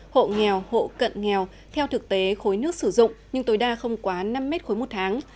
hộ nghèo hộ cận nghèo theo thực tế khối nước sử dụng nhưng tối đa không quá năm m ba một tháng